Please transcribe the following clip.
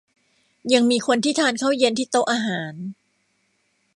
ยังมีคนที่ทานข้าวเย็นที่โต๊ะอาหาร